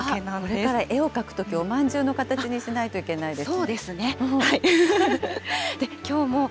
これから絵を描くとき、おまんじゅうの形にしないといけないです。